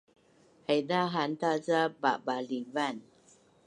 Haiza hanta ca babalivan